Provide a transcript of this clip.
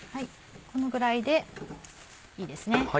このぐらいでいいですね。